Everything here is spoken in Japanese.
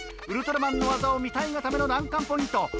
ウルトラマンの技を見たいがための難関ポイント。